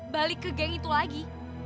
balik ke geng itu lagi